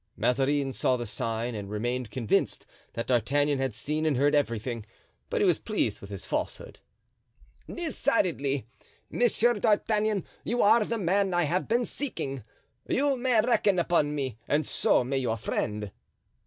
Mazarin saw the sign and remained convinced that D'Artagnan had seen and heard everything; but he was pleased with his falsehood. "Decidedly, Monsieur d'Artagnan, you are the man I have been seeking. You may reckon upon me and so may your friend."